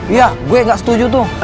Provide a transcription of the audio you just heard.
iya gue gak setuju tuh